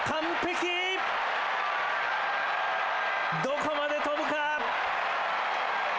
どこまで飛ぶか。